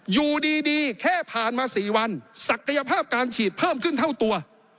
อยู่ดีแค่ผ่านมา๔วันศักยภาพการฉีดเพิ่มขึ้นเท่าตัว